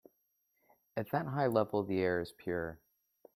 At that high level the air is pure.